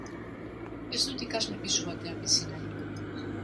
Ez dut ikasle pisu batean bizi nahi.